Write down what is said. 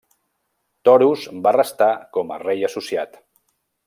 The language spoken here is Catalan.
Toros va restar com a rei associat.